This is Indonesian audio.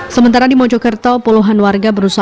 sementara di mojokerto puluhan warga berusaha